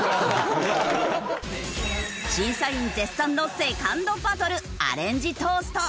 審査員絶賛のセカンドバトルアレンジトースト。